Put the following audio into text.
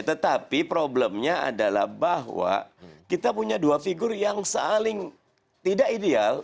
tetapi problemnya adalah bahwa kita punya dua figur yang saling tidak ideal